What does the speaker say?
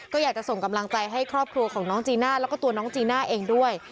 ก็อยากจะส่งกำลังใจให้ครอบครัวของน้องจีน่าแล้วก็ตัวน้องจีน่าเองด้วย